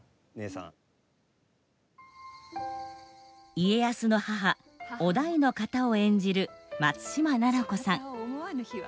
家康の母於大の方を演じる松嶋菜々子さん。